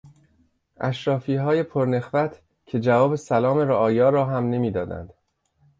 اشرافیهای پرنخوت که جواب سلام رعایا را هم نمیدادند